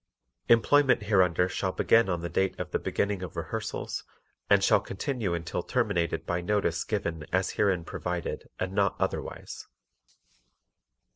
Employment hereunder shall begin on the date of the beginning of rehearsals and shall continue until terminated by notice given as herein provided and not otherwise.